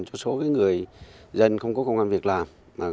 cho số người dân không có công an việc làm